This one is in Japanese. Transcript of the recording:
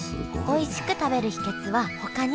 おいしく食べる秘けつはほかにも。